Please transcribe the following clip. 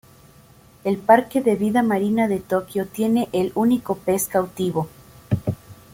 El Parque de Vida Marina de Tokio tiene el único pez cautivo.